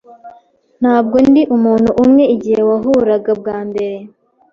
Ntabwo ndi umuntu umwe igihe wahuraga bwa mbere.